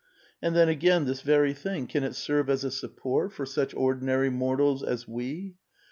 And then, again, this very thing, can it serve as a support for such ordinary mortals as we?